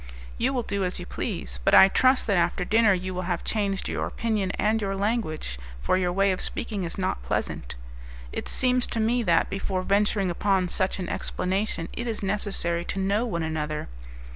"You will do as you please; but I trust that after dinner you will have changed your opinion and your language, for your way of speaking is not pleasant. It seems to me that, before venturing upon such an explanation, it is necessary to know one another.